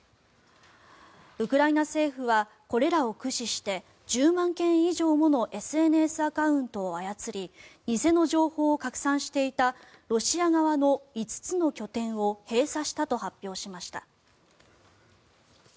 ウクライナ政府はこれらを駆使して１０万件以上ものＳＮＳアカウントを操り偽の情報を拡散していたロシア側の５つの拠点を閉鎖したと発表しました。